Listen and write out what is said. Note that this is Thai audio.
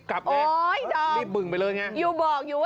มันกลับมาที่สุดท้ายแล้วมันกลับมาที่สุดท้ายแล้ว